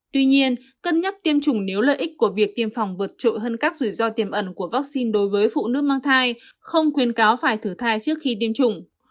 tuy nhiên cân nhắc tiêm chủng nếu lợi ích của việc tiêm phòng vượt trội hơn các rủi ro tiềm ẩn của vaccine đối với phụ nữ mang thai không khuyến cáo phải thử thai trước khi tiêm chủng